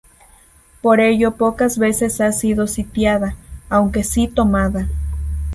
Por ello pocas veces ha sido sitiada, aunque sí tomada.